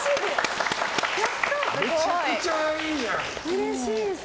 うれしいです。